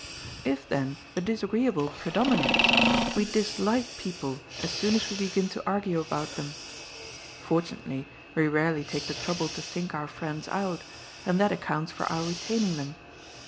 If, then, the disagreeable predominates, we dislike people as soon as we begin to argue about them. Fortunately, we rarely take the trouble to think our friends out, and that accounts for our retaining them.